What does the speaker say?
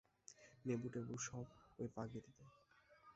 নেবু taboo সব ঐ পাগড়িতে।